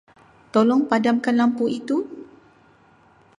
Tolong padamkan lampu itu.